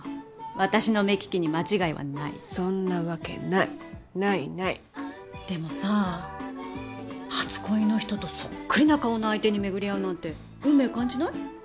私の目利きに間違いはないそんなわけないないないでもさ初恋の人とそっくりな顔の相手に巡り会うなんて運命感じない？